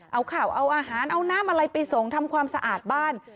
เอาข่าวเอาอาหารเอาน้ำอะไรไปส่งทำความสะอาดบ้าน